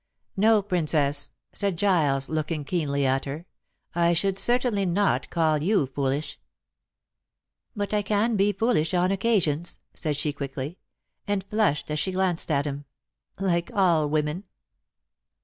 "No, Princess," said Giles, looking keenly at her, "I should certainly not call you foolish." "But I can be foolish on occasions," said she quickly, and flushed as she glanced at him, "like all women.